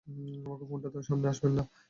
আমাকে ফোনটা দাও, সামনে আসবেন না।